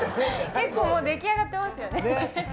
結構出来上がってますよね。